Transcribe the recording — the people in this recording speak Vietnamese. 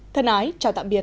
thân ái chào tạm biệt